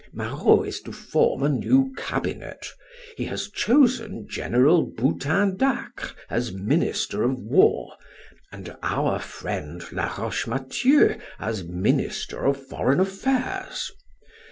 Marrot is to form a new cabinet. He has chosen General Boutin d'Acre as minister of war, and our friend Laroche Mathieu as minister of foreign affairs.